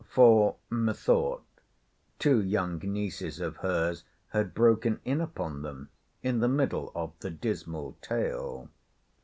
For, methought, two young nieces of her's had broken in upon them, in the middle of the dismal tale.